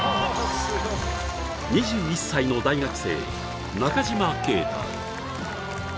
２１歳の大学生、中島啓太。